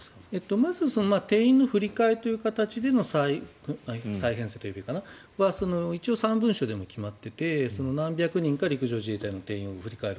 まずは定員の振り替えという形での再編成は一応３文書でも決まっていて何百人か、自衛隊の人員を振り替える